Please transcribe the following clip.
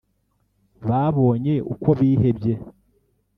Babonye uko bihebye